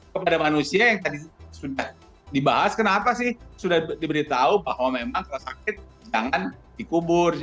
kepada manusia yang tadi sudah dibahas kenapa sih sudah diberitahu bahwa memang kalau sakit jangan dikubur